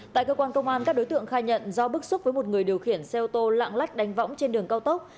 tại cơ quan công an các đối tượng khai nhận do bức xúc với một người điều khiển xe ô tô lạng lách đánh võng trên đường cao tốc